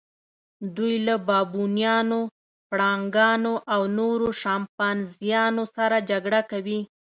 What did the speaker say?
دوی له بابونانو، پړانګانو او نورو شامپانزیانو سره جګړه کوي.